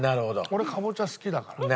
俺かぼちゃ好きだから。